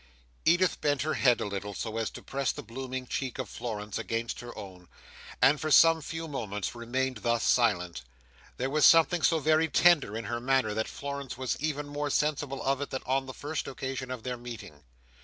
Edith bent her head a little, so as to press the blooming cheek of Florence against her own, and for some few moments remained thus silent. There was something so very tender in her manner, that Florence was even more sensible of it than on the first occasion of their meeting.